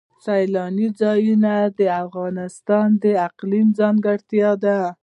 سیلانی ځایونه د افغانستان د اقلیم ځانګړتیا ده.